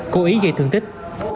cố ý gây thương tích